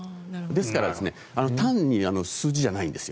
ですから単に数字じゃないんです。